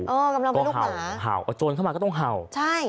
เออกำลังไปลูกหมาห่าวห่าวโจรเข้ามาก็ต้องห่าวใช่